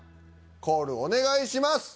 コールお願いします。